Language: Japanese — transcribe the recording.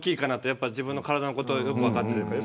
やっぱり自分の体のことはよく分かってるから。